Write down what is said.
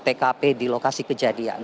tkp di lokasi kejadian